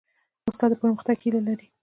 استاد د پرمختګ هیله لري.